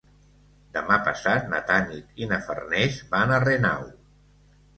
Demà passat na Tanit i na Farners van a Renau.